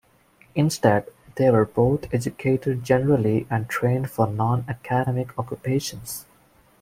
Instead, they were both educated generally and trained for non-academic occupations.